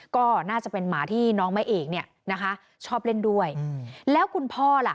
ก็น่าจะเป็นหมาที่น้องแม่เอกเนี่ยนะคะชอบเล่นด้วยแล้วคุณพ่อล่ะ